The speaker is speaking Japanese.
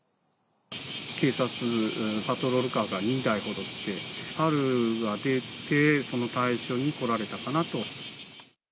警察パトロールカーが２台ほど来て、サルが出て、その対処に来られたかなと。